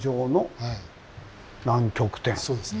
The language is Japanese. そうですね。